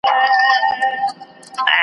یا دي نه وای شاعر کړی یا دي نه وای بینا کړی .